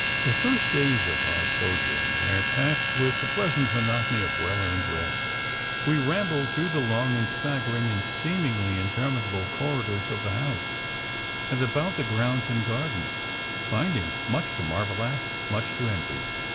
The first days of our sojourn there passed with the pleasant monotony of well earned rest; we rambled through the long and straggling and seemingly interminable corridors of the house, and about the grounds and gardens, finding much to marvel at, much to envy.